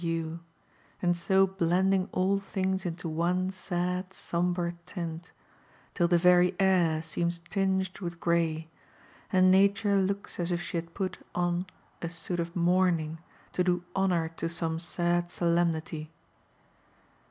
hue, and so blending all things into one sad, sombre tint, till the very air seemd tinged with gray, and Nature looks as if she had put on a suit of mourn ing to do honour to some sad solemnity.